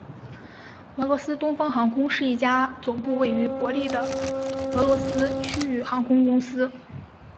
俄罗斯东方航空是一家总部位于伯力的俄罗斯区域航空公司。